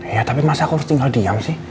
iya tapi masa aku harus tinggal diam sih